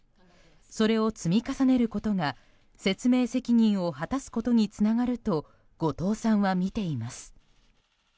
それを積み重ねることが説明責任を果たすことにつながると後藤さんは見ています。